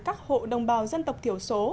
các hộ đồng bào dân tộc thiểu số